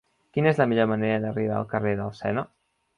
Quina és la millor manera d'arribar al carrer del Sena?